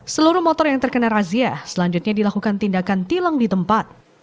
seluruh motor yang terkena razia selanjutnya dilakukan tindakan tilang di tempat